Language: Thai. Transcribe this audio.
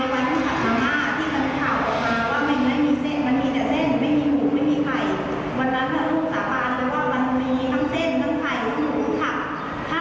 นี่คิดฟังว่าขอให้พวกมีอันเป็นไปใน๓วันเจ็ดวัน